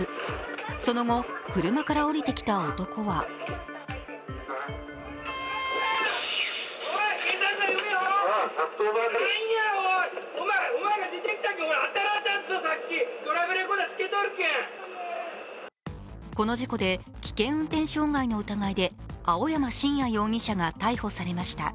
その後、車から降りてきた男はこの事故で、危険運転傷害の疑いで青山真也容疑者が逮捕されました。